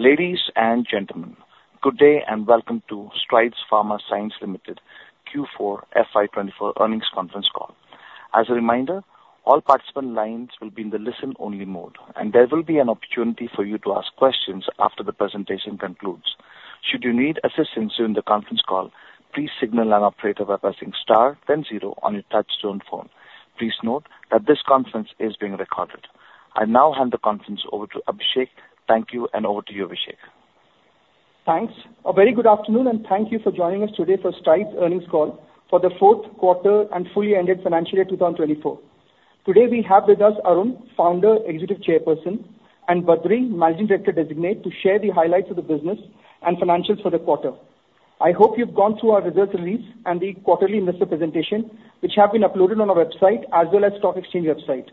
Ladies and gentlemen, good day, and welcome to Strides Pharma Science Limited Q4 FY 2024 earnings conference call. As a reminder, all participant lines will be in the listen-only mode, and there will be an opportunity for you to ask questions after the presentation concludes. Should you need assistance during the conference call, please signal an operator by pressing star then zero on your touchtone phone. Please note that this conference is being recorded. I now hand the conference over to Abhishek. Thank you, and over to you, Abhishek. Thanks. A very good afternoon, and thank you for joining us today for Strides earnings call for the fourth quarter and full year ended financial year 2024. Today, we have with us Arun, Founder and Executive Chairperson, and Badree, Managing Director designate, to share the highlights of the business and financials for the quarter. I hope you've gone through our results release and the quarterly investor presentation, which have been uploaded on our website as well as stock exchange website.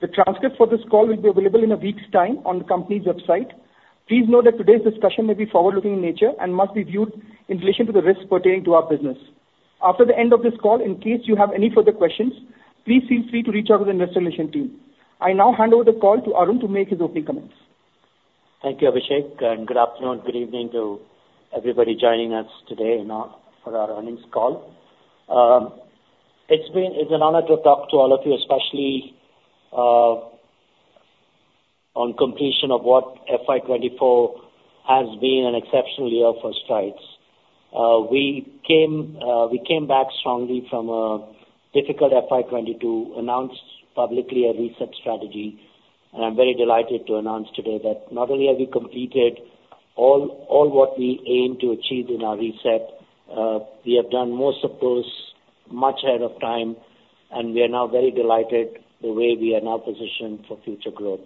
The transcript for this call will be available in a week's time on the company's website. Please note that today's discussion may be forward-looking in nature and must be viewed in relation to the risks pertaining to our business. After the end of this call, in case you have any further questions, please feel free to reach out to the Investor Relations team. I now hand over the call to Arun to make his opening comments. Thank you, Abhishek, and good afternoon, good evening to everybody joining us today in our for our earnings call. It's been an honor to talk to all of you, especially on completion of what FY 2024 has been an exceptional year for Strides. We came back strongly from a difficult FY 2022, announced publicly a reset strategy, and I'm very delighted to announce today that not only have we completed all what we aimed to achieve in our reset, we have done most of those much ahead of time, and we are now very delighted the way we are now positioned for future growth.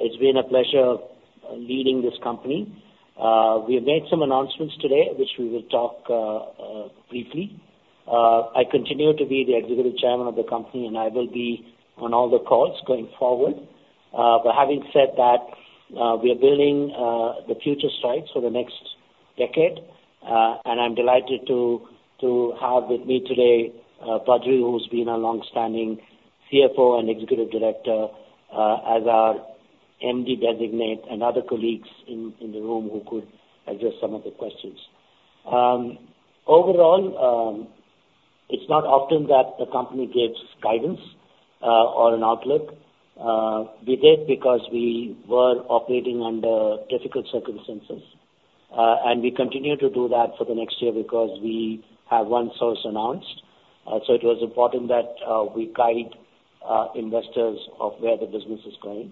It's been a pleasure leading this company. We have made some announcements today, which we will talk briefly. I continue to be the executive chairman of the company, and I will be on all the calls going forward. But having said that, we are building the future Strides for the next decade, and I'm delighted to have with me today Badree, who's been a long-standing CFO and executive director, as our MD designate and other colleagues in the room who could address some of the questions. Overall, it's not often that the company gives guidance or an outlook. We did because we were operating under difficult circumstances, and we continue to do that for the next year because we have OneSource announced. So it was important that we guide investors of where the business is going.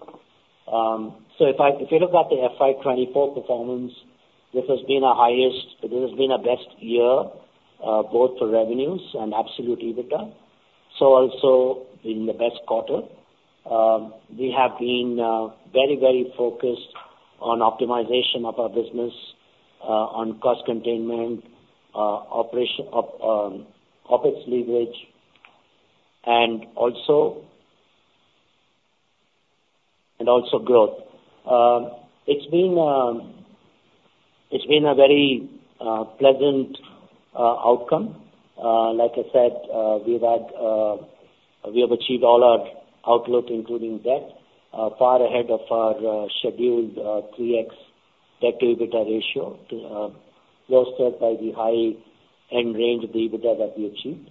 So if you look at the FY 2024 performance, this has been our highest, this has been our best year, both for revenues and absolute EBITDA, so also being the best quarter. We have been very, very focused on optimization of our business, on cost containment, operational OpEx leverage, and also and also growth. It's been a very pleasant outcome. Like I said, we've had, we have achieved all our outlook, including debt, far ahead of our scheduled 3x debt to EBITDA ratio to bolstered by the high-end range of the EBITDA that we achieved.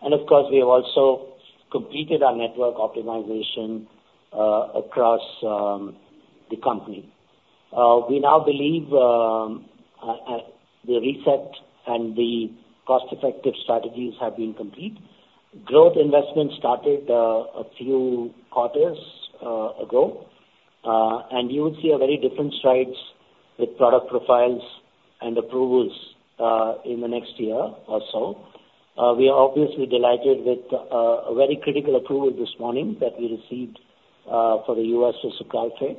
And of course, we have also completed our network optimization across the company. We now believe the reset and the cost-effective strategies have been complete. Growth investment started a few quarters ago, and you will see a very different Strides with product profiles and approvals in the next year or so. We are obviously delighted with a very critical approval this morning that we received for the U.S. sucralfate.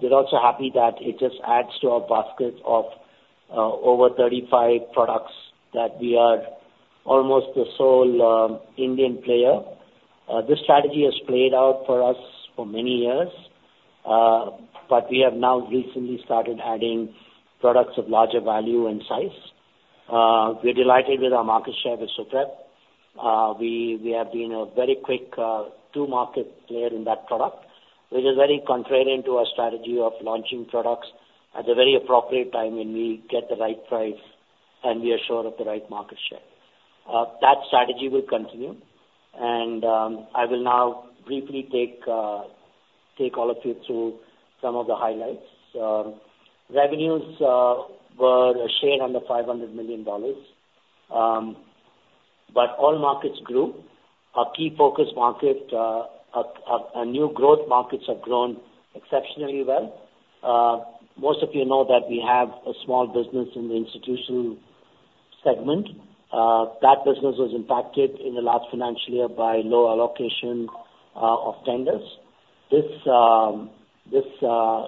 We're also happy that it just adds to our basket of over 35 products that we are almost the sole Indian player. This strategy has played out for us for many years, but we have now recently started adding products of larger value and size. We're delighted with our market share with sucralfate. We have been a very quick two-market player in that product, which is very contrary into our strategy of launching products at a very appropriate time when we get the right price, and we are sure of the right market share. That strategy will continue, and I will now briefly take all of you through some of the highlights. Revenues were a shade under $500 million, but all markets grew. Our key focus market and new growth markets have grown exceptionally well. Most of you know that we have a small business in the institutional segment. That business was impacted in the last financial year by low allocation of tenders. This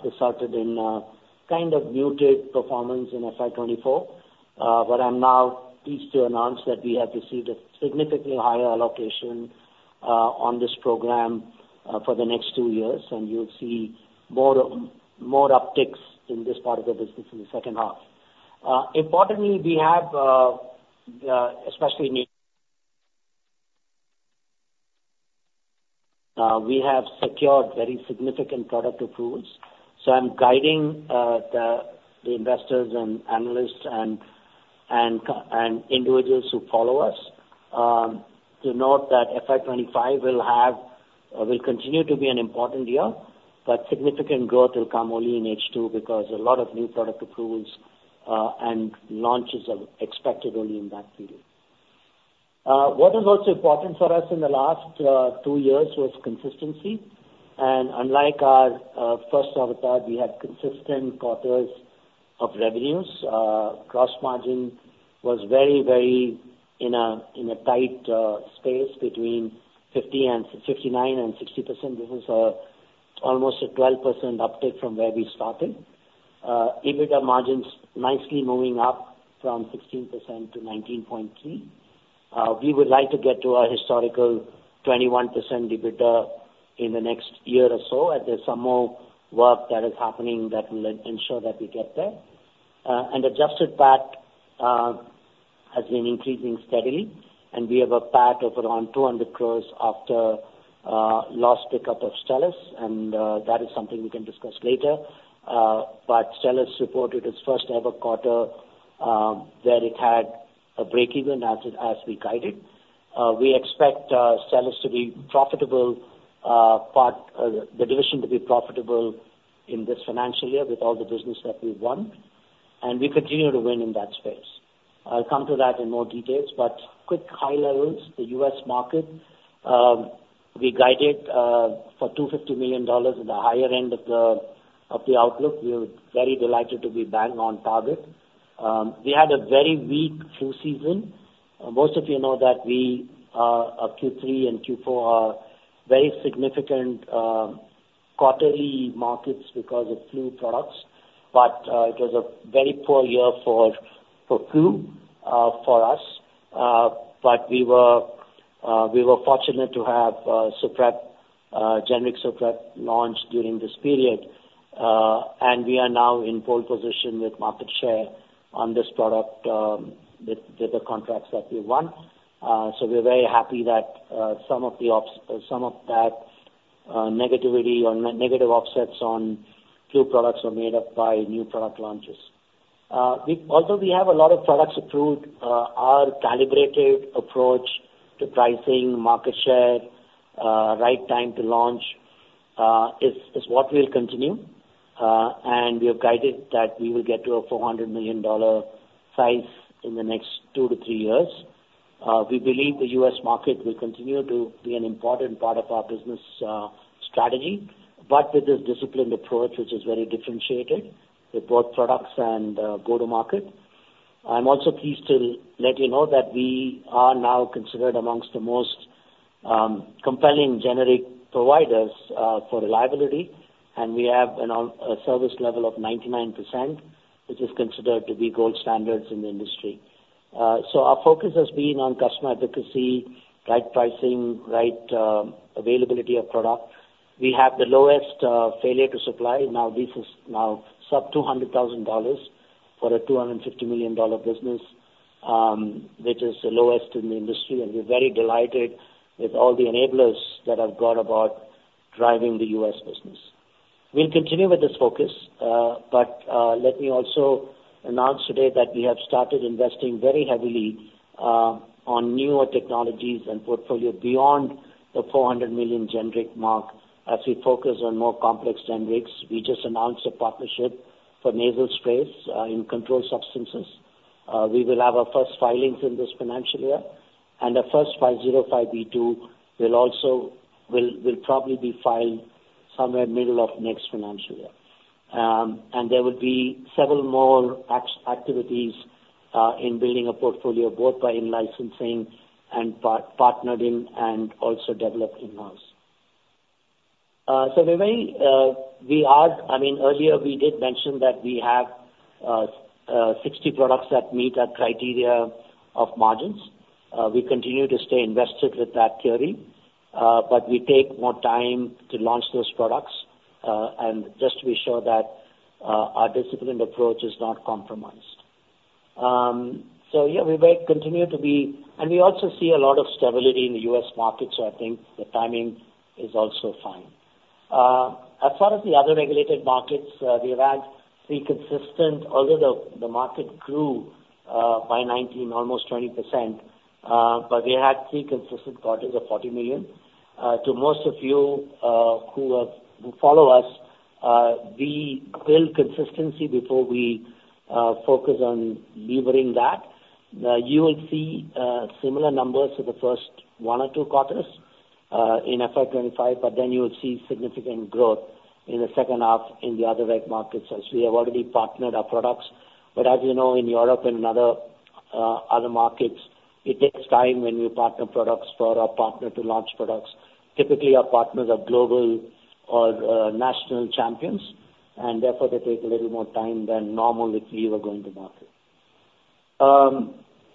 resulted in a kind of muted performance in FY 2024. But I'm now pleased to announce that we have received a significantly higher allocation on this program for the next two years, and you'll see more, more upticks in this part of the business in the second half. Importantly, we have especially in the we have secured very significant product approvals, so I'm guiding the investors and analysts and individuals who follow us to note that FY 25 will have will continue to be an important year, but significant growth will come only in H2, because a lot of new product approvals and launches are expected only in that period. What is also important for us in the last two years was consistency, and unlike our first avatar, we had consistent quarters of revenues. Gross margin was very, very in a tight space between 59 and 60%. This is almost a 12% uptick from where we started. EBITDA margins nicely moving up from 16% to 19.3%. We would like to get to a historical 21% EBITDA in the next year or so, and there's some more work that is happening that will ensure that we get there. And adjusted PAT has been increasing steadily, and we have a PAT of around 200 crore after last pickup of Stelis, and that is something we can discuss later. But Stelis reported its first ever quarter where it had a breakeven as we guided. We expect Stelis to be profitable, the division to be profitable in this financial year with all the business that we've won, and we continue to win in that space. I'll come to that in more details, but quick high levels, the U.S. market, we guided for $250 million in the higher end of the, of the outlook. We are very delighted to be bang on target. We had a very weak flu season. Most of you know that we, Q3 and Q4 are very significant quarterly markets because of flu products, but it was a very poor year for, for flu, for us. But we were, we were fortunate to have Suprep, generic Suprep launched during this period. And we are now in pole position with market share on this product, with the contracts that we won. So we're very happy that some of that negativity or negative offsets on flu products were made up by new product launches. Although we have a lot of products approved, our calibrated approach to pricing, market share, right time to launch, is what we'll continue. And we have guided that we will get to a $400 million size in the next two to three years. We believe the U.S. market will continue to be an important part of our business strategy, but with a disciplined approach, which is very differentiated with both products and go-to-market. I'm also pleased to let you know that we are now considered amongst the most, compelling generic providers, for reliability, and we have an on-time service level of 99%, which is considered to be gold standards in the industry. So our focus has been on customer advocacy, right pricing, right, availability of product. We have the lowest, failure to supply. Now, this is now sub $200,000 for a $250 million business, which is the lowest in the industry, and we're very delighted with all the enablers that have gone about driving the US business. We'll continue with this focus, but, let me also announce today that we have started investing very heavily, on newer technologies and portfolio beyond the $400 million generic mark as we focus on more complex generics. We just announced a partnership for nasal sprays in controlled substances. We will have our first filings in this financial year, and our first 505(b)(2) will also probably be filed somewhere middle of next financial year. And there will be several more activities in building a portfolio, both by in-licensing and partnering and also developed in-house. So we're very I mean, earlier, we did mention that we have 60 products that meet our criteria of margins. We continue to stay invested with that theory, but we take more time to launch those products, and just to be sure that our disciplined approach is not compromised. So yeah, we will continue to be and we also see a lot of stability in the US market, so I think the timing is also fine. As far as the other regulated markets, we have had three consistent, although the market grew by 19, almost 20%, but we had three consistent quarters of 40 million. To most of you who follow us, we build consistency before we focus on levering that. You will see similar numbers for the first one or two quarters in FY 2025, but then you will see significant growth in the second half in the other reg markets as we have already partnered our products. But as you know, in Europe and other markets, it takes time when we partner products for our partner to launch products. Typically, our partners are global or national champions, and therefore they take a little more time than normally if we were going to market.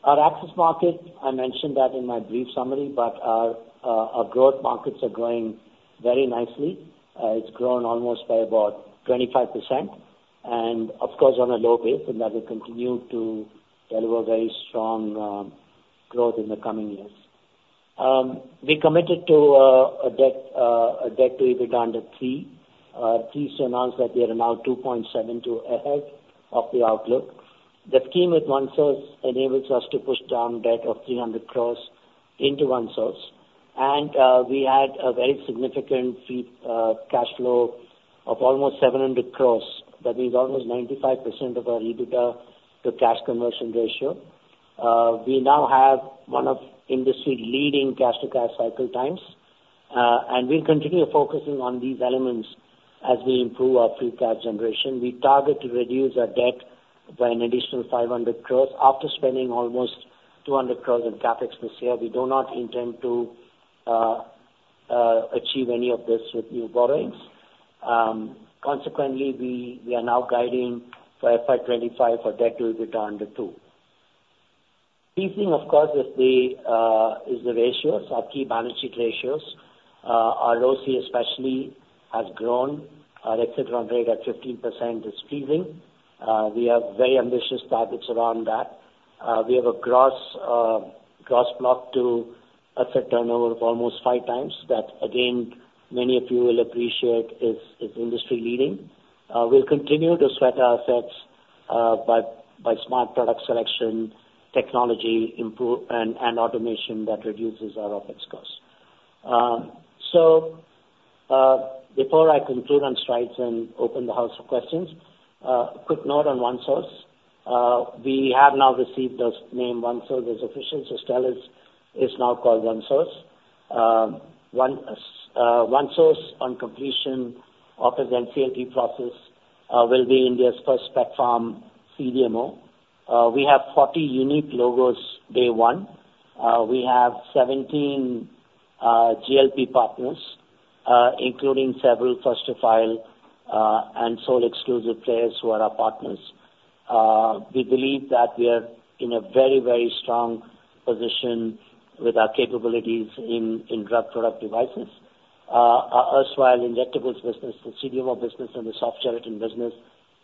Our access market, I mentioned that in my brief summary, but our growth markets are growing very nicely. It's grown almost by about 25% and of course, on a low base, and that will continue to deliver very strong growth in the coming years. We committed to a debt to EBITDA under 3. Pleased to announce that we are now 2.72 ahead of the outlook. The scheme with OneSource enables us to push down debt of 300 crore into OneSource. And we had a very significant free cash flow of almost 700 crore. That is almost 95% of our EBITDA to cash conversion ratio. We now have one of industry-leading cash-to-cash cycle times, and we'll continue focusing on these elements as we improve our free cash generation. We target to reduce our debt by an additional 500 crores after spending almost 200 crores in CapEx this year. We do not intend to achieve any of this with new borrowings. Consequently, we are now guiding for FY 2025 for debt to EBITDA under 2. These, of course, with the ratios, our key balance sheet ratios. Our ROCE especially has grown. Our excellent run rate at 15% is pleasing. We have very ambitious targets around that. We have a gross block to asset turnover of almost 5x. That, again, many of you will appreciate, is industry-leading. We'll continue to sweat our assets by smart product selection, technology improvement and automation that reduces our OpEx costs. Before I conclude on Strides and open the floor for questions, a quick note on OneSource. We have now received this name, OneSource, as official, so Stelis is now called OneSource. OneSource, on completion of the NCLT process, will be India's first platform CDMO. We have 40 unique logos day one. We have 17 GLP partners, including several first to file and sole exclusive players who are our partners. We believe that we are in a very, very strong position with our capabilities in drug product devices. Our sterile injectables business, the CDMO business, and the soft gelatin business,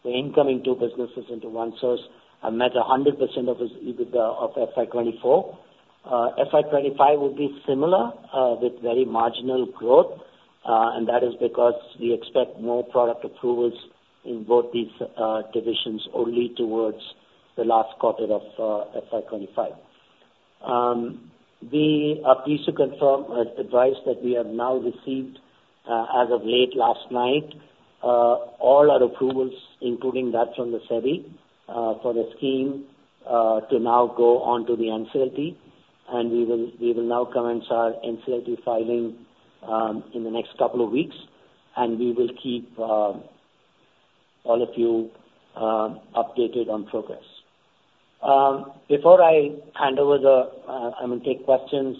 the incoming two businesses into OneSource, have met 100% of its EBITDA of FY 2024. FY 2025 will be similar, with very marginal growth, and that is because we expect more product approvals in both these divisions only towards the last quarter of FY 2025. We are pleased to confirm advice that we have now received as of late last night all our approvals, including that from the SEBI, for the scheme to now go on to the NCLT, and we will, we will now commence our NCLT filing in the next couple of weeks, and we will keep all of you updated on progress. Before I hand over the, I mean, take questions,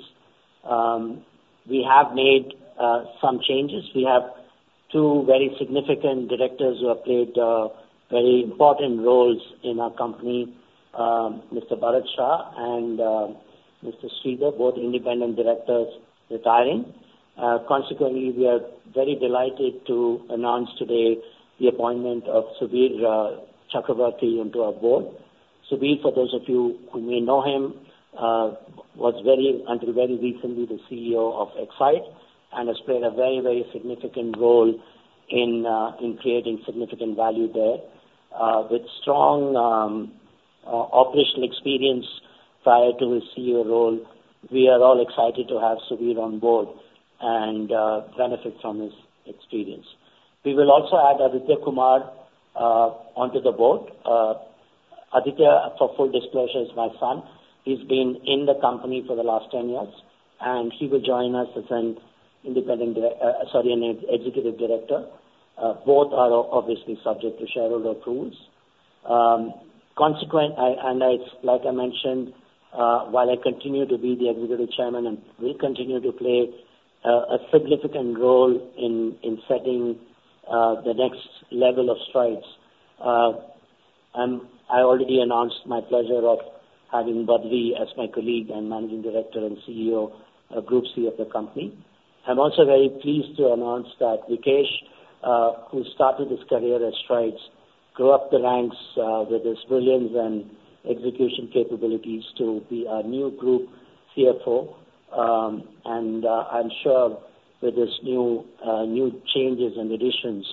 we have made some changes. We have two very significant directors who have played very important roles in our company, Mr. Bharat Shah and Mr. Sridhar, both independent directors, retiring. Consequently, we are very delighted to announce today the appointment of Subir Chakraborty into our board. Subir, for those of you who may know him, was very, until very recently, the CEO of Exide, and has played a very, very significant role in creating significant value there. With strong operational experience prior to his CEO role, we are all excited to have Subir on board and benefit from his experience. We will also add Aditya Kumar onto the board. Aditya, for full disclosure, is my son. He's been in the company for the last 10 years, and he will join us as an independent director, an executive director. Both are obviously subject to shareholder approvals. And it's, like I mentioned, while I continue to be the Executive Chairperson and will continue to play a significant role in setting the next level of Strides, I already announced my pleasure of having Badree as my colleague and Managing Director and CEO, Group CEO of the company. I'm also very pleased to announce that Rakesh, who started his career at Strides, rose up the ranks with his brilliance and execution capabilities to be our new Group CFO. I'm sure with this new changes and additions,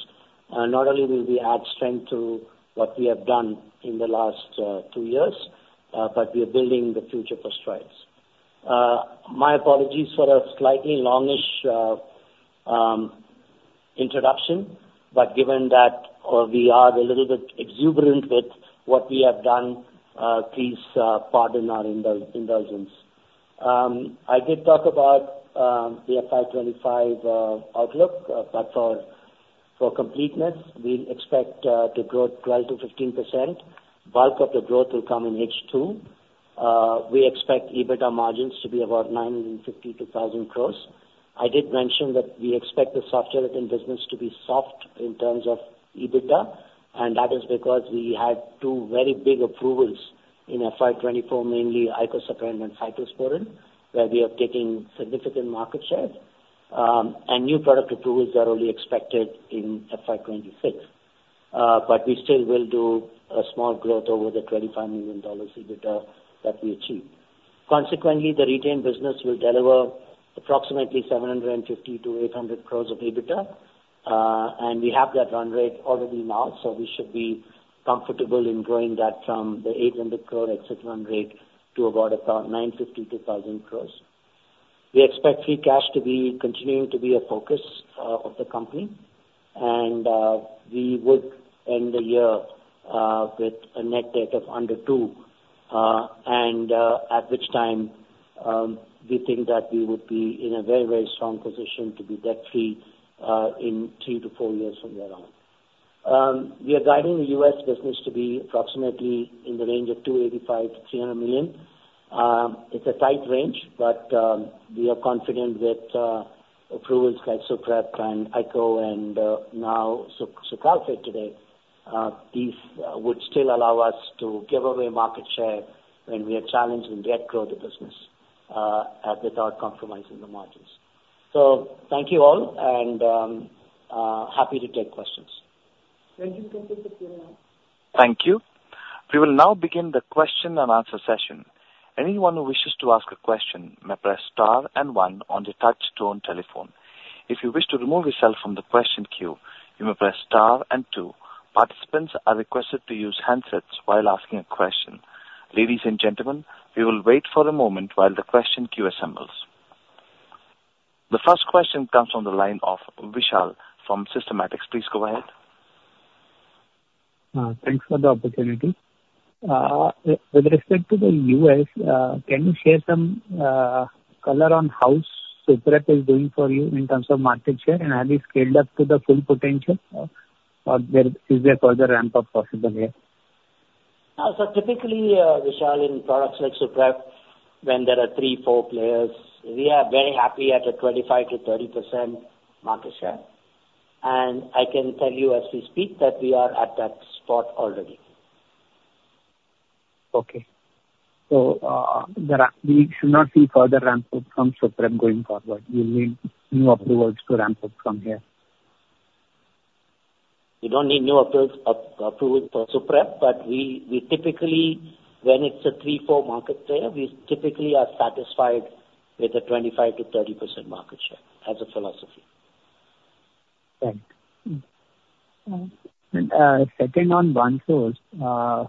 not only will we add strength to what we have done in the last two years, but we are building the future for Strides. My apologies for a slightly longish introduction, but given that, we are a little bit exuberant with what we have done, please pardon our indulgence. I did talk about the FY 2025 outlook, but for completeness, we expect to grow 12%-15%. Bulk of the growth will come in H2. We expect EBITDA margins to be about 950-1,000 crores. I did mention that we expect the soft gelatin business to be soft in terms of EBITDA, and that is because we had two very big approvals in FY 2024, mainly icosapent and cyclosporine, where we are taking significant market share... and new product approvals are only expected in FY 2026. But we still will do a small growth over the $25 million EBITDA that we achieved. Consequently, the retained business will deliver approximately 750-800 crores of EBITDA, and we have that run rate already now, so we should be comfortable in growing that from the 800 crore exit run rate to about about 950-1,000 crores. We expect free cash to be continuing to be a focus, of the company, and, we would end the year, with a net debt of under $2 billion, and, at which time, we think that we would be in a very, very strong position to be debt-free, in 3-4 years from there on. We are guiding the U.S. business to be approximately in the range of $285 million-$300 million. It's a tight range, but, we are confident that, approvals like Suprep and icosapent and, now sucralfate today, these would still allow us to give away market share when we are challenged and yet grow the business, without compromising the margins. So thank you all, and, happy to take questions. Thank you. We will now begin the question and answer session. Anyone who wishes to ask a question may press star and one on the touch tone telephone. If you wish to remove yourself from the question queue, you may press star and two. Participants are requested to use handsets while asking a question. Ladies and gentlemen, we will wait for a moment while the question queue assembles. The first question comes from the line of Vishal from Systematix. Please go ahead. Thanks for the opportunity. With respect to the U.S., can you share some color on how Suprep is doing for you in terms of market share, and have you scaled up to the full potential, or there is a further ramp-up possible here? Typically, Vishal, in products like Suprep, when there are three, four players, we are very happy at a 25%-30% market share. I can tell you as we speak, that we are at that spot already. Okay. So, we should not see further ramp-up from Suprep going forward. We need new approvals to ramp up from here. We don't need new approval for Suprep, but we typically, when it's a 3-4 market player, we typically are satisfied with a 25%-30% market share as a philosophy. Thank you. Second on OneSource,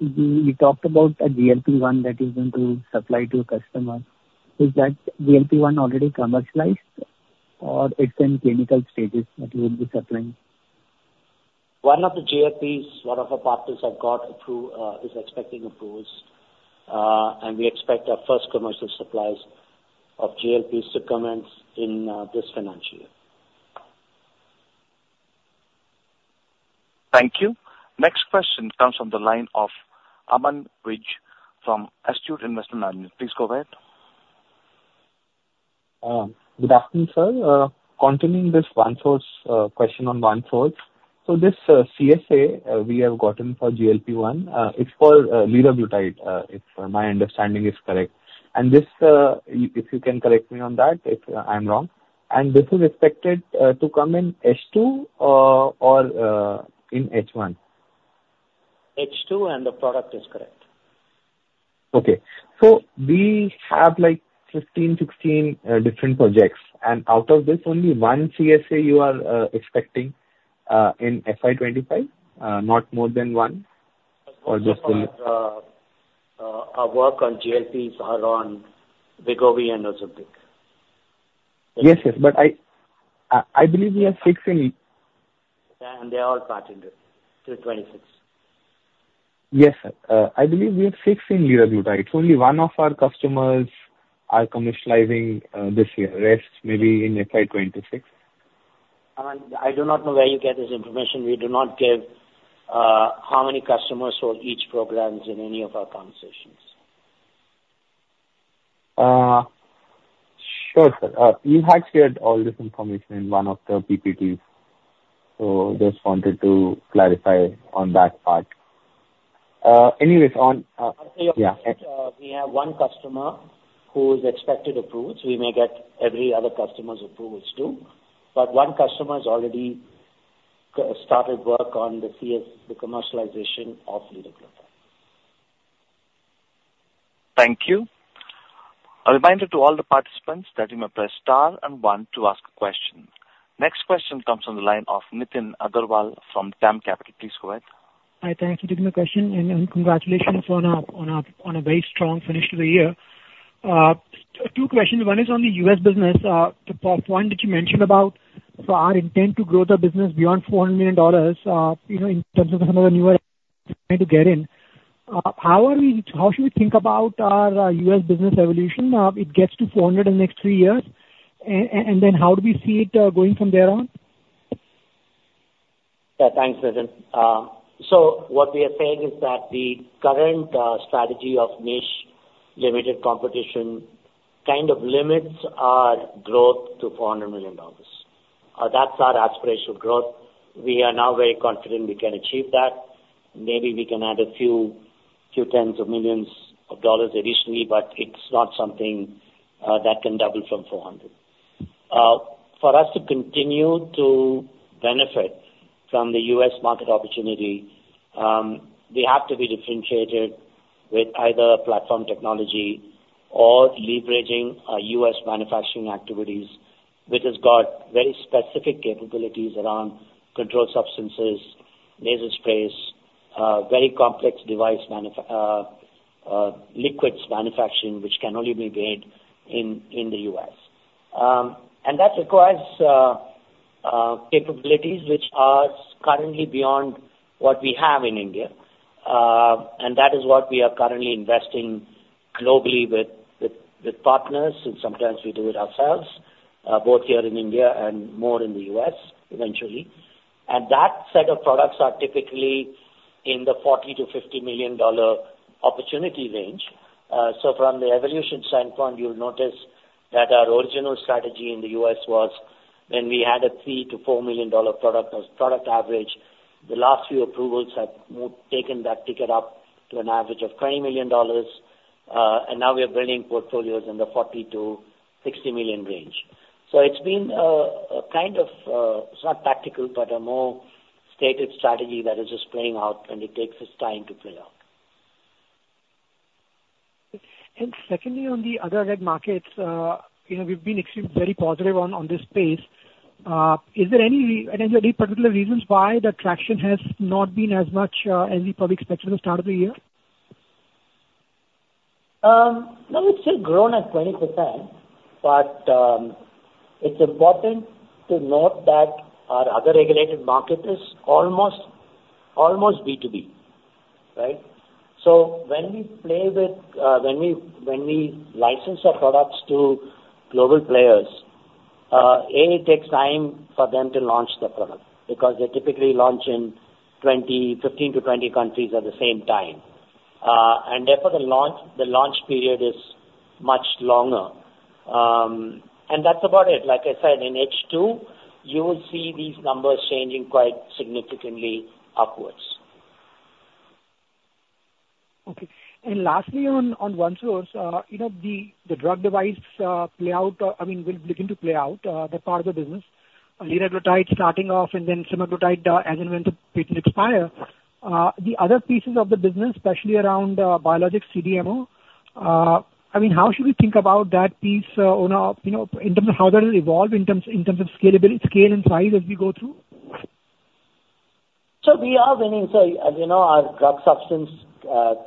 we talked about a GLP-1 that is going to supply to your customers. Is that GLP-1 already commercialized or it's in clinical stages that you will be supplying? One of the GLPs, one of our partners is expecting approvals, and we expect our first commercial supplies of GLP supplements in this financial year. Thank you. Next question comes from the line of Aman Vij from Astute Investment. Please go ahead. Good afternoon, sir. Continuing this OneSource question on OneSource. So this CSA we have gotten for GLP-1, it's for liraglutide, if my understanding is correct. And this, if you can correct me on that, if I'm wrong. And this is expected to come in H2 or in H1? H2, and the product is correct. Okay. So we have, like, 15, 16 different projects, and out of this, only one CSA you are expecting in FY 2025, not more than one or just the- Our work on GLPs are on Wegovy and Ozempic. Yes, yes, but I believe we have 6 in- They're all partnered through 'til 2026. Yes, sir. I believe we have six in liraglutide. Only one of our customers are commercializing this year. The rest may be in FY 2026. I do not know where you get this information. We do not give, how many customers for each programs in any of our conversations. Sure, sir. You had shared all this information in one of the PPTs, so just wanted to clarify on that part. Anyways, on, yeah- We have one customer who is expected approvals. We may get every other customer's approvals, too, but one customer has already started work on the CS, the commercialization of liraglutide. Thank you. A reminder to all the participants that you may press star and one to ask a question. Next question comes from the line of Nitin Agarwal from DAM Capital. Please go ahead. Hi, thank you for taking my question, and congratulations on a very strong finish to the year. Two questions. One is on the US business. The point that you mentioned about our intent to grow the business beyond $400 million, you know, in terms of some of the newer trying to get in, how should we think about our US business evolution? It gets to $400 in the next three years, and then how do we see it going from there on? Yeah, thanks, Nitin. So what we are saying is that the current strategy of niche limited competition kind of limits our growth to $400 million. That's our aspirational growth. We are now very confident we can achieve that. Maybe we can add a few tens of millions of dollars additionally, but it's not something that can double from $400 million. For us to continue to benefit from the US market opportunity, we have to be differentiated with either platform technology or leveraging our US manufacturing activities, which has got very specific capabilities around controlled substances, nasal sprays, very complex device manufacturing, liquids manufacturing, which can only be made in the US. And that requires capabilities which are currently beyond what we have in India. And that is what we are currently investing globally with, with, with partners, and sometimes we do it ourselves, both here in India and more in the US, eventually. And that set of products are typically in the $40 million-$50 million opportunity range. So from the evolution standpoint, you'll notice that our original strategy in the US was when we had a $3 million-$4 million product, as product average, the last few approvals have more taken that ticket up to an average of $20 million. And now we are building portfolios in the $40 million-$60 million range. So it's been, a kind of, it's not tactical, but a more stated strategy that is just playing out, and it takes its time to play out. And secondly, on the other reg markets, you know, we've been extremely, very positive on, on this space. Is there any, any particular reasons why the traction has not been as much, as we probably expected at the start of the year? No, it's still grown at 20%, but it's important to note that our other regulated market is almost B2B, right? So when we license our products to global players, it takes time for them to launch the product, because they typically launch in 15-20 countries at the same time. And therefore, the launch period is much longer. And that's about it. Like I said, in H2, you will see these numbers changing quite significantly upwards. Okay. And lastly, on OneSource, you know, the drug device play out, I mean, will begin to play out, that part of the business. Starting off and then semaglutide, as and when the patent expire. The other pieces of the business, especially around biologics CDMO, I mean, how should we think about that piece, on a, you know, in terms of how that will evolve, in terms, in terms of scalability, scale, and size as we go through? So we are winning. So as you know, our drug substance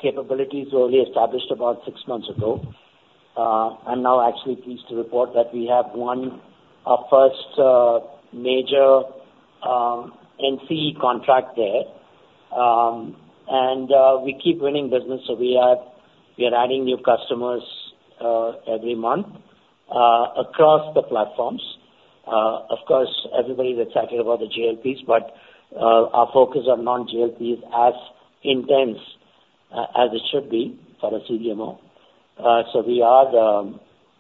capabilities were only established about six months ago. I'm now actually pleased to report that we have won our first major NCE contract there. And we keep winning business, so we are adding new customers every month across the platforms. Of course, everybody is excited about the GLPs, but our focus on non-GLP is as intense as it should be for a CDMO. So we are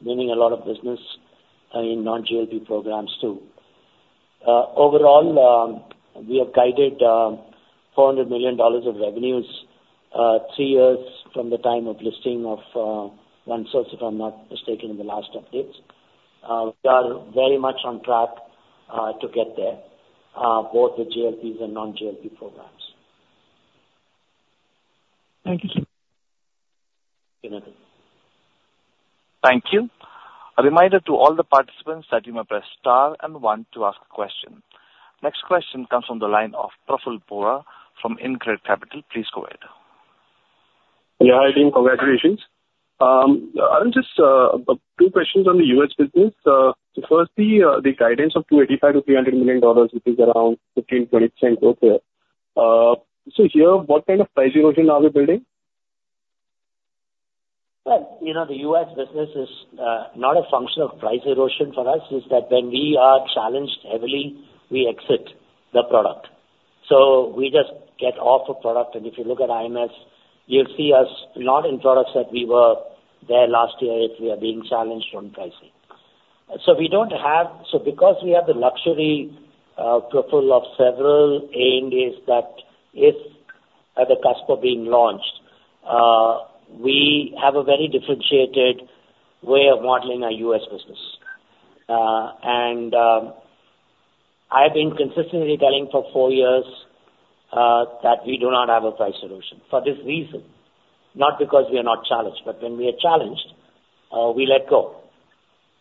winning a lot of business in non-GLP programs, too. Overall, we have guided $400 million of revenues three years from the time of listing of OneSource, if I'm not mistaken, in the last updates. We are very much on track to get there, both the GLPs and non-GLP programs. Thank you, sir. Good night. Thank you. A reminder to all the participants that you may press star and one to ask a question. Next question comes from the line of Praful Bohra from InCred Capital. Please go ahead. Yeah, hi, team. Congratulations. I will just two questions on the US business. The first, the guidance of $285 million-$300 million, which is around 15%-20% growth here. So here, what kind of price erosion are you building? Well, you know, the US business is not a function of price erosion for us, is that when we are challenged heavily, we exit the product. So we just get off a product, and if you look at IMS, you'll see us not in products that we were there last year, if we are being challenged on pricing. So we don't have. So because we have the luxury, Praful, of several ANDAs that is at the cusp of being launched, we have a very differentiated way of modeling our US business. And, I've been consistently telling for four years that we do not have a price solution. For this reason, not because we are not challenged, but when we are challenged, we let go.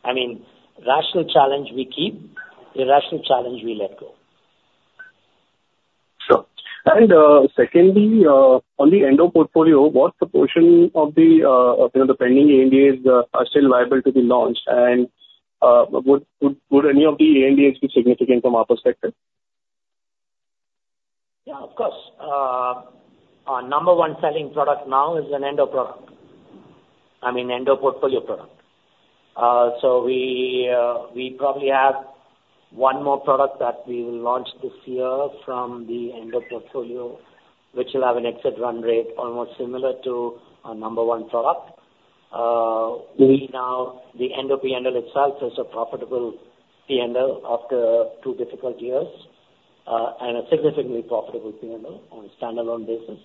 I mean, rational challenge, we keep. Irrational challenge, we let go. Sure. Secondly, on the Endo portfolio, what proportion of the, you know, the pending ANDAs are still liable to be launched? And, would any of the ANDAs be significant from our perspective? Yeah, of course. Our number one selling product now is an Endo product. I mean, Endo portfolio product. So we probably have one more product that we will launch this year from the Endo portfolio, which will have an exit run rate almost similar to our number one product. We now, the Endo P&L itself is a profitable P&L after two difficult years, and a significantly profitable P&L on a standalone basis.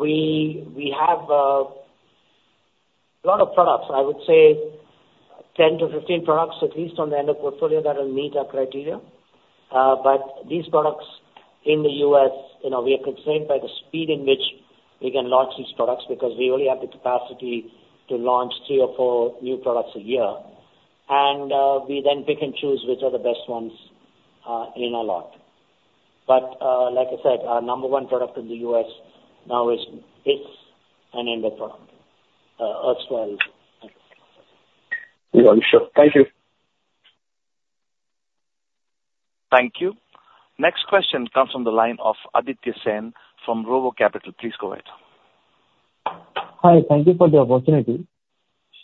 We have a lot of products, I would say 10-15 products at least on the Endo portfolio that will meet our criteria. But these products in the US, you know, we are constrained by the speed in which we can launch these products, because we only have the capacity to launch three or four new products a year. We then pick and choose which are the best ones in our lot. But, like I said, our number one product in the U.S. now is an Endo product. Yeah, sure. Thank you. Thank you. Next question comes from the line of Aditya Sen from RoboCapital. Please go ahead. Hi. Thank you for the opportunity.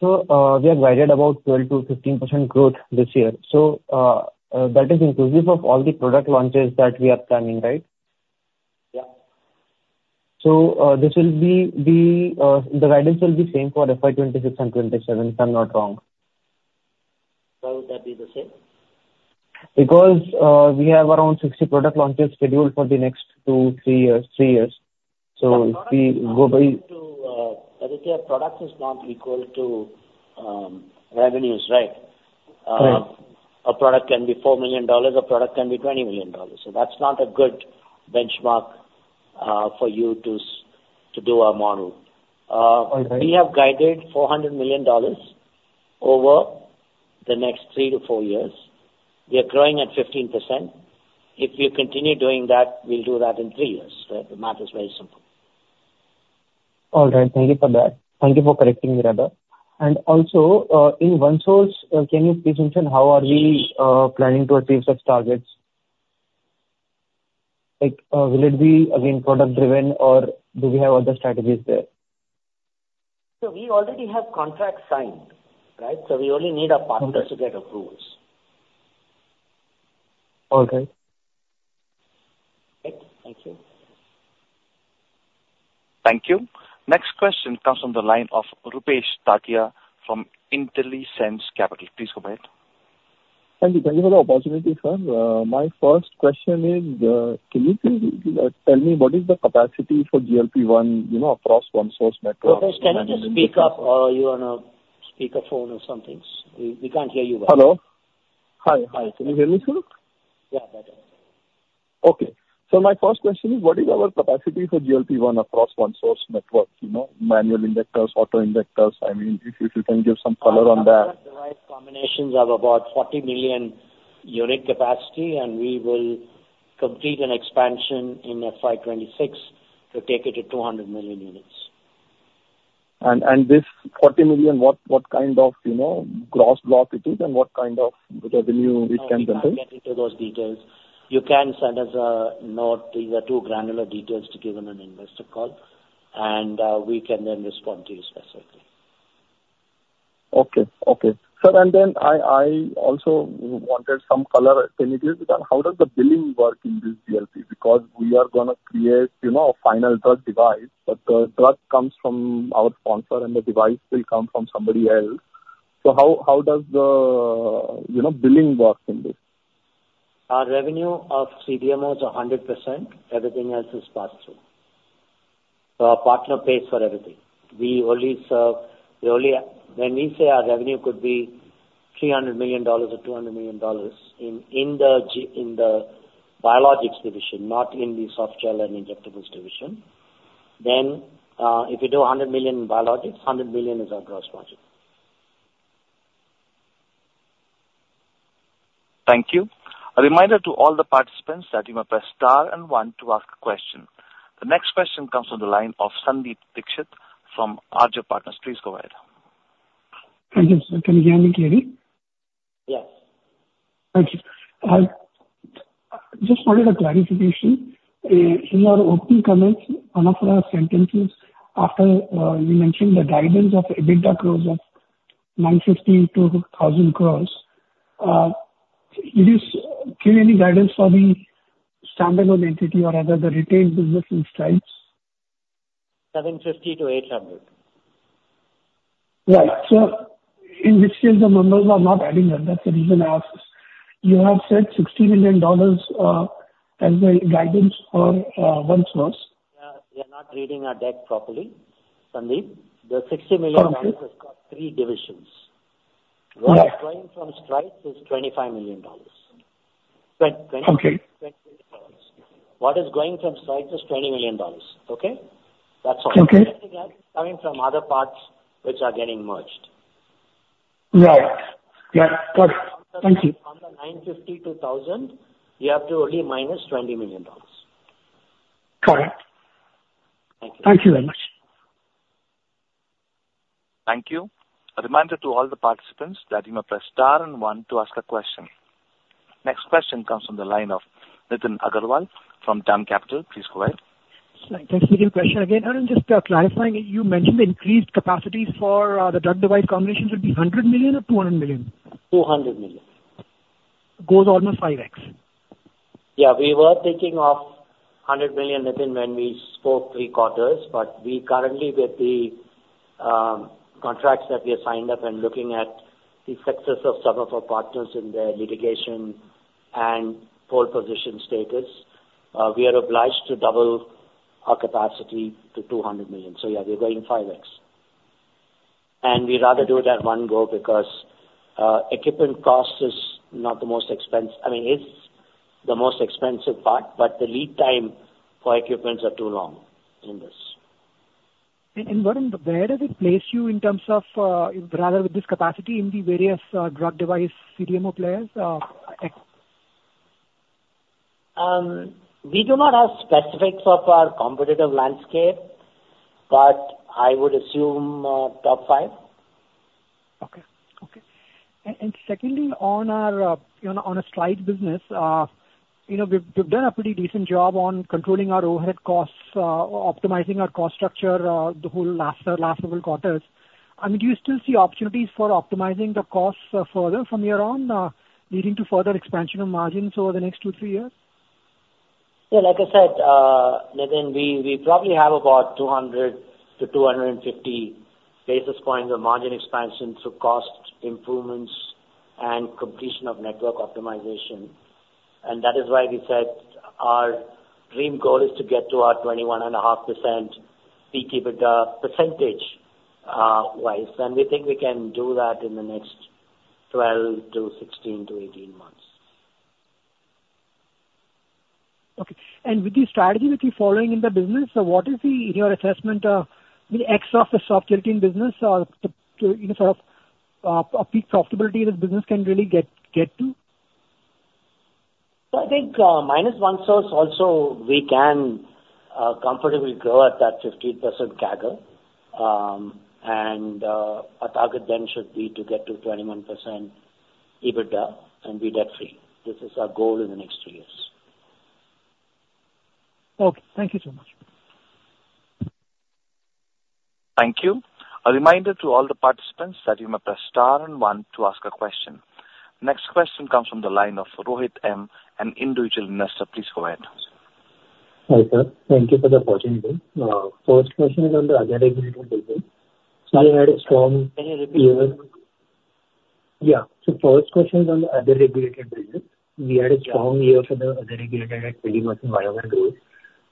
So, we have guided about 12%-15% growth this year. So, that is inclusive of all the product launches that we are planning, right? Yeah. This will be the guidance will be same for FY 2026 and FY 2027, if I'm not wrong? Why would that be the same? Because, we have around 60 product launches scheduled for the next two, three years, three years. So we go by- Aditya, product is not equal to revenues, right? Right. A product can be $4 million, a product can be $20 million. So that's not a good benchmark for you to do our model. All right. We have guided $400 million over the next 3-4 years. We are growing at 15%. If we continue doing that, we'll do that in 3 years. The math is very simple. All right. Thank you for that. Thank you for correcting me, rather. And also, in OneSource, can you please mention how are we planning to achieve such targets? Like, will it be again, product driven, or do we have other strategies there? So we already have contracts signed, right? So we only need our partners- Okay. to get approvals. Okay. Great. Thank you. Thank you. Next question comes from the line of Rupesh Tatiya from Intelsense Capital. Please go ahead. Thank you. Thank you for the opportunity, sir. My first question is, can you please tell me what is the capacity for GLP-1, you know, across OneSource network? Rupesh, can you just speak up? You're on a speaker phone or something. We, we can't hear you well. Hello. Hi. Hi, can you hear me sir? Yeah, better. Okay. So my first question is, what is our capacity for GLP-1 across OneSource network? You know, manual injectors, auto injectors. I mean, if you can give some color on that. Device combinations are about 40 million unit capacity, and we will complete an expansion in FY 2026 to take it to 200 million units. This 40 million, what kind of, you know, gross block it is and what kind of revenue it can generate? No, we can't get into those details. You can send us a note. These are too granular details to give on an investor call, and, we can then respond to you specifically. Okay. Okay. Sir, and then I also wanted some color. Can you give me some? How does the billing work in this GLP? Because we are gonna create, you know, a final drug device, but the drug comes from our sponsor, and the device will come from somebody else. So how does the, you know, billing work in this? Our revenue of CDMO is 100%. Everything else is passed through. So our partner pays for everything. We only serve... We only-- When we say our revenue could be $300 million or $200 million in the biologics division, not in the soft gel and injectables division, then, if you do $100 million in biologics, $100 million is our gross margin. Thank you. A reminder to all the participants that you must press star one to ask a question. The next question comes from the line of Sandeep Dixit from Arjav Partners. Please go ahead. Thank you, sir. Can you hear me clearly? Yes. Thank you. I just wanted a clarification. In your opening comments, one of the sentences after, you mentioned the guidance of EBITDA growth of 950-1,000 crores, does it give any guidance for the standalone entity or rather the retained business in Strides? 750-800. Right. So in which case the numbers are not adding up. That's the reason I asked. You have said $60 million as a guidance for OneSource. Yeah, you're not reading our deck properly, Sandeep. Okay. The $60 million has got three divisions. Right. What is going from Strides is $25 million. Okay. $20 million. What is going from Strides is $20 million. Okay? That's all. Okay. Coming from other parts which are getting merged. Right. Yeah. Got it. Thank you. On the 950-1,000, you have to only -$20 million. Correct. Thank you. Thank you very much. Thank you. A reminder to all the participants that you may press star and one to ask a question. Next question comes from the line of Nitin Agarwal from DAM Capital. Please go ahead. Thanks. Nitin's question again, I'm just clarifying. You mentioned the increased capacity for the drug device combinations would be 100 million or 200 million? 200 million.... goes almost 5x. Yeah, we were thinking of 100 million, Nitin, when we spoke three quarters, but we currently, with the contracts that we have signed up and looking at the success of some of our partners in their litigation and pole position status, we are obliged to double our capacity to 200 million. So yeah, we're going 5x. And we'd rather do it at one go, because equipment cost is not the most expense-- I mean, it's the most expensive part, but the lead time for equipments are too long in this. Arun, where does it place you in terms of, rather with this capacity in the various drug device CDMO players, ex? We do not have specifics of our competitive landscape, but I would assume top five. Okay. Okay. And secondly, on our Stelis business, you know, we've done a pretty decent job on controlling our overhead costs, optimizing our cost structure, the whole last several quarters. I mean, do you still see opportunities for optimizing the costs further from here on, leading to further expansion of margins over the next two, three years? Yeah, like I said, Nitin, we probably have about 200-250 basis points of margin expansion through cost improvements and completion of network optimization. And that is why we said our dream goal is to get to our 21.5% pre-EBITDA percentage-wise, and we think we can do that in the next 12 to 16 to 18 months. Okay. With the strategy that you're following in the business, so what is your assessment with the X of the profitability in business or, you know, sort of, a peak profitability this business can really get to? So I think, minus OneSource also, we can comfortably grow at that 15% CAGR. Our target then should be to get to 21% EBITDA and be debt free. This is our goal in the next two years. Okay, thank you so much. Thank you. A reminder to all the participants that you may press star and one to ask a question. Next question comes from the line of Rohit M, an individual investor. Please go ahead. Hi, sir. Thank you for the opportunity. First question is on the other regulated business. So you had a strong year- Can you repeat? Yeah. So first question is on the other regulated business. We had a strong year for the other regulated in volume and growth.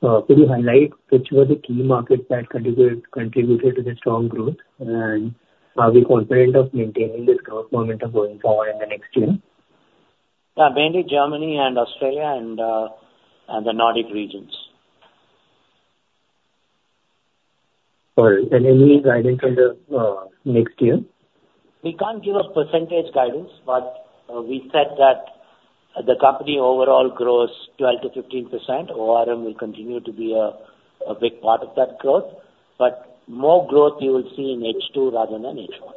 Could you highlight which were the key markets that contributed to the strong growth? And are we confident of maintaining this growth momentum going forward in the next year? Yeah, mainly Germany and Australia and, and the Nordic regions. All right. And any guidance on the next year? We can't give a percentage guidance, but we said that the company overall grows 12%-15%. ORM will continue to be a big part of that growth, but more growth you will see in H2 rather than H1.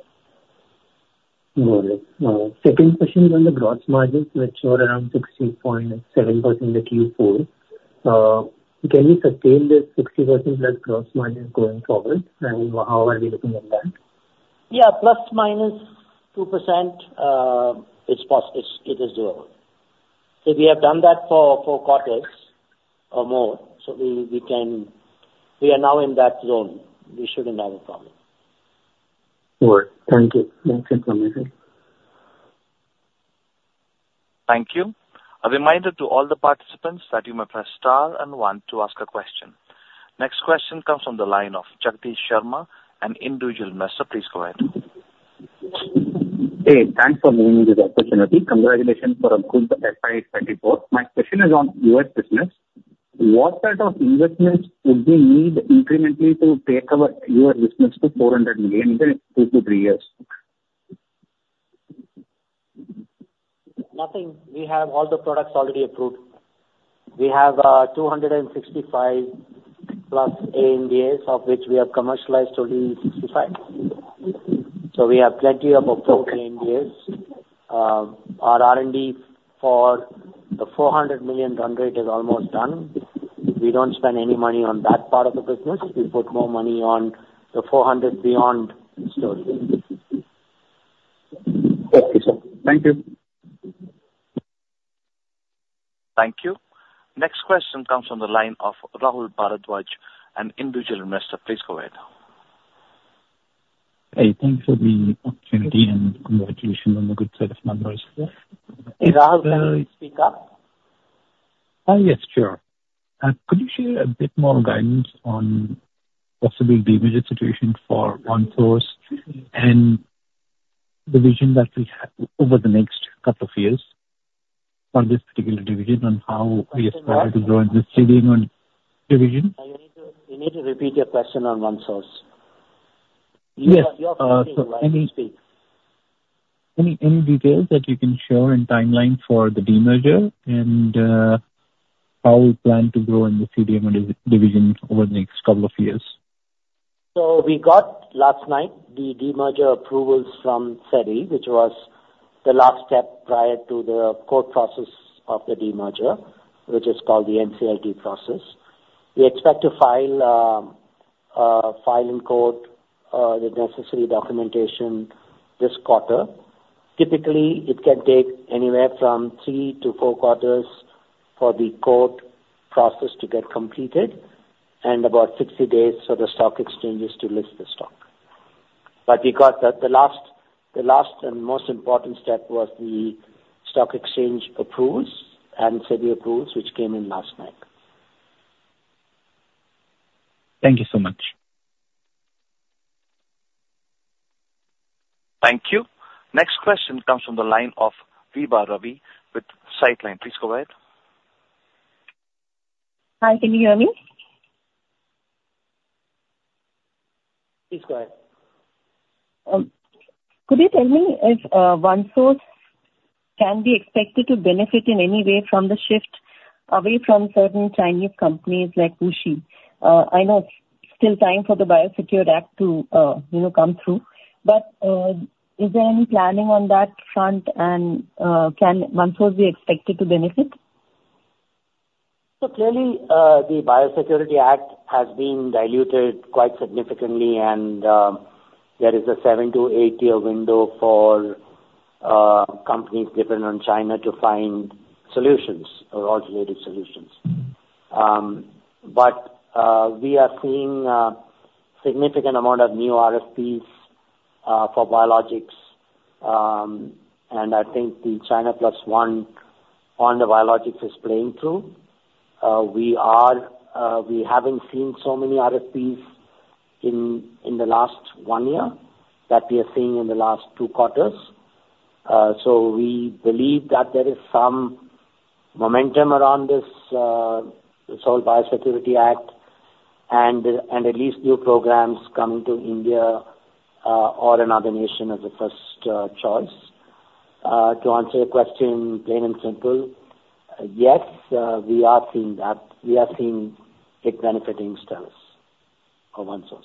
Got it. Second question is on the gross margins, which were around 60.7% in Q4. Can we sustain this 60% plus gross margin going forward? And how are we looking at that? Yeah, ±2%, it's doable. So we have done that for four quarters or more. So we can. We are now in that zone. We shouldn't have a problem. All right. Thank you. Thanks for coming in. Thank you. A reminder to all the participants that you may press star and one to ask a question. Next question comes from the line of Jagdish Sharma, an individual investor. Please go ahead. Hey, thanks for giving me this opportunity. Congratulations for a good FY 2024. My question is on US business. What sort of investments would we need incrementally to take our US business to $400 million in 2 to 3 years? Nothing. We have all the products already approved. We have 265+ ANDAs, of which we have commercialized only 65. So we have plenty of approved ANDAs. Our R&D for the $400 million run rate is almost done. We don't spend any money on that part of the business. We put more money on the 400 beyond story. Okay, sir. Thank you. Thank you. Next question comes from the line of Rahul Bharadwaj, an individual investor. Please go ahead. Hey, thanks for the opportunity, and congratulations on the good set of numbers. Hey, Rahul, can you speak up? Yes, sure. Could you share a bit more guidance on possible demerger situation for OneSource and the vision that we have over the next couple of years for this particular division, and how we expect to grow in this division on division? You need to repeat your question on OneSource. Yes. You are breaking when you speak. Any details that you can share and timeline for the demerger, and how we plan to grow in the CDMO division over the next couple of years? So we got, last night, the demerger approvals from SEBI, which was the last step prior to the court process of the demerger, which is called the NCLT process. We expect to file in court the necessary documentation this quarter. Typically, it can take anywhere from 3-4 quarters for the court process to get completed, and about 60 days for the stock exchanges to list the stock. But we got the last and most important step was the stock exchange approves and SEBI approves, which came in last night. Thank you so much. Thank you. Next question comes from the line of Vibha Ravi with Citeline. Please go ahead. Hi, can you hear me? Please go ahead. Could you tell me if OneSource can be expected to benefit in any way from the shift away from certain Chinese companies like WuXi? I know it's still time for the Biosecurity Act to, you know, come through, but is there any planning on that front, and can OneSource be expected to benefit? So clearly, the Biosecurity Act has been diluted quite significantly, and there is a 7-8-year window for companies dependent on China to find solutions or alternative solutions. But we are seeing a significant amount of new RFPs for biologics. And I think the China Plus One on the biologics is playing through. We haven't seen so many RFPs in the last 1 year that we are seeing in the last 2 quarters. So we believe that there is some momentum around this whole Biosecurity Act and at least new programs coming to India or another nation as a first choice. To answer your question, plain and simple, yes, we are seeing that. We are seeing it benefiting us, OneSource.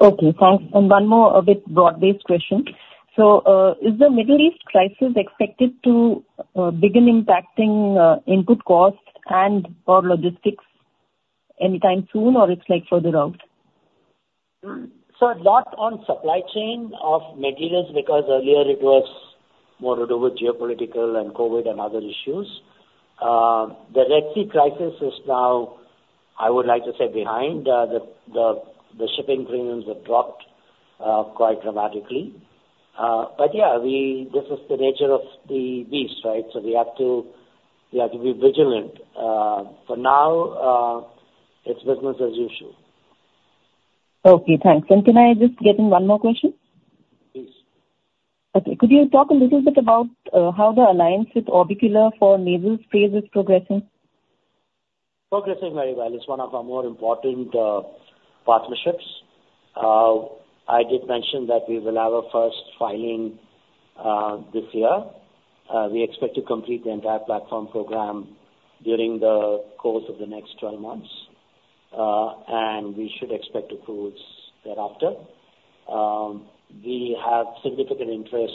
Okay, thanks. And one more, a bit broad-based question: So, is the Middle East crisis expected to begin impacting input costs and/or logistics anytime soon, or it's like further out? So a lot on supply chain of materials, because earlier it was more to do with geopolitical and COVID and other issues. The Red Sea crisis is now, I would like to say, behind. The shipping premiums have dropped quite dramatically. But yeah, this is the nature of the beast, right? So we have to be vigilant. For now, it's business as usual. Okay, thanks. Can I just get in one more question? Please. Okay. Could you talk a little bit about how the alliance with Orbicular for nasal sprays is progressing? Progressing very well. It's one of our more important partnerships. I did mention that we will have our first filing this year. We expect to complete the entire platform program during the course of the next 12 months, and we should expect approvals thereafter. We have significant interest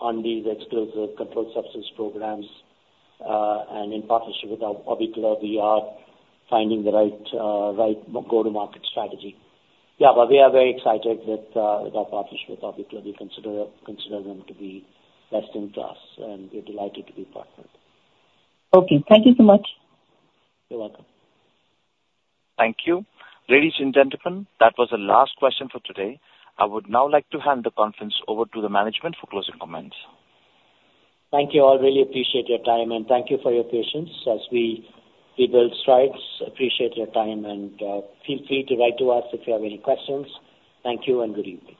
on these exclusive controlled substance programs. And in partnership with Orbicular, we are finding the right go-to-market strategy. Yeah, but we are very excited with our partnership with Orbicular. We consider them to be best in class, and we're delighted to be partnered. Okay. Thank you so much. You're welcome. Thank you. Ladies and gentlemen, that was the last question for today. I would now like to hand the conference over to the management for closing comments. Thank you all. Really appreciate your time, and thank you for your patience as we build Strides. Appreciate your time, and feel free to write to us if you have any questions. Thank you and good evening.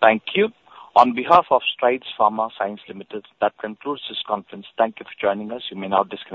Thank you. On behalf of Strides Pharma Science Limited, that concludes this conference. Thank you for joining us. You may now disconnect.